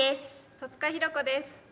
戸塚寛子です。